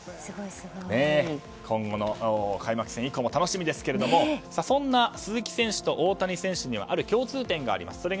今後の開幕戦以降も楽しみですがそんな鈴木選手と大谷選手にはある共通点があります。